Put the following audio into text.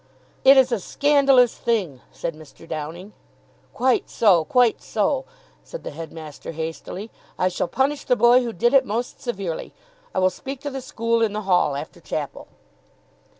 "It is a scandalous thing!" said Mr. Downing. "Quite so! Quite so!" said the headmaster hastily. "I shall punish the boy who did it most severely. I will speak to the school in the Hall after chapel."